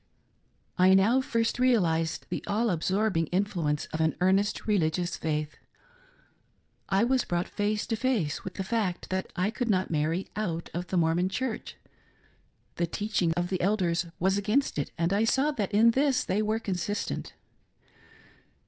I now first realised the all absorbing influence of an earnest religious faith. I was brought face to face with the fact that I could not marry out of the Mormon Church. The teaching of the elders was against it, and I saw that in this they were consistent.